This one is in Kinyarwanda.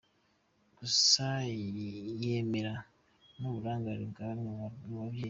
Gusa yemera n’uburangare bwa bamwe mu babyeyi.